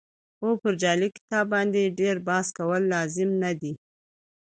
او پر جعلي کتاب باندې ډېر بحث کول لازم نه دي.